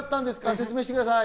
説明してください。